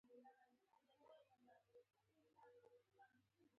• د غاښونو د سپینوالي پاملرنه ضروري ده.